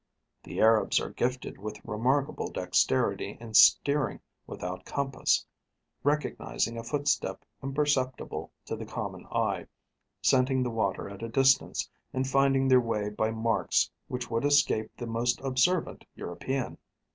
The Arabs are gifted with remarkable dexterity in steering without compass, recognising a footstep imperceptible to the common eye, scenting the water at a distance, and finding their way by marks which would escape the most observant European.